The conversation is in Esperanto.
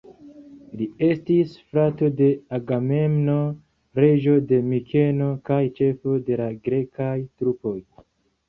Li estis frato de Agamemno, reĝo de Mikeno kaj ĉefo de la grekaj trupoj.